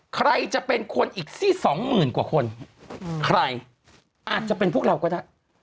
ใครจะเป็นคนอีกสักสองหมื่นกว่าคนใครอาจจะเป็นพวกเราก็ได้